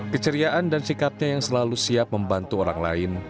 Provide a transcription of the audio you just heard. keceriaan dan sikapnya yang selalu siap membantu orang lain